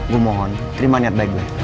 gue mohon terima niat baik gue